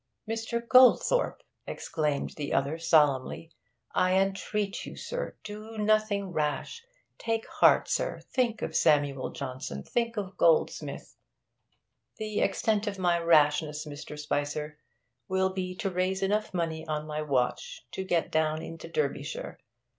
'Mr. Goldthorpe!' exclaimed the other solemnly; 'I entreat you, sir, to do nothing rash! Take heart, sir! Think of Samuel Johnson, think of Goldsmith ' 'The extent of my rashness, Mr. Spicer, will be to raise enough money on my watch to get down into Derbyshire.